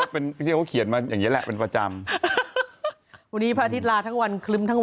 อ๋อพี่หนุ่มอีกแล้ว